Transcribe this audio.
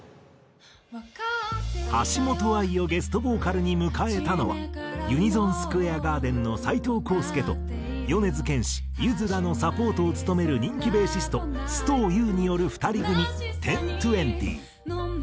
橋本愛をゲストボーカルに迎えたのはＵＮＩＳＯＮＳＱＵＡＲＥＧＡＲＤＥＮの斎藤宏介と米津玄師ゆずらのサポートを務める人気ベーシスト須藤優による２人組ⅩⅡⅩ。